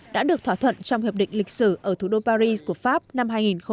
đã được thỏa thuận trong hiệp định lịch sử ở thủ đô paris của pháp năm hai nghìn một mươi